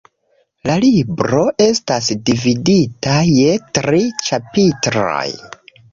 La libro estas dividita je tri ĉapitroj.